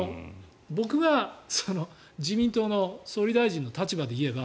僕が自民党の総理大臣の立場で言えば